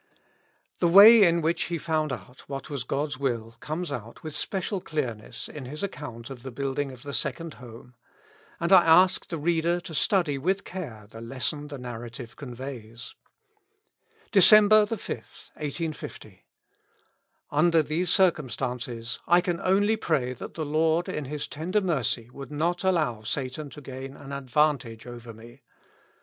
The way in which he found out what was God's will, comes out with special clearness in his account of the building of the second Home ; and I ask the reader to study with care the les son the narrative conveys :—" Dec. 5, 1850.— Under these circumstances I can only pray that the lyord in His tender mercy would not allow Satan to gain an advantage over me.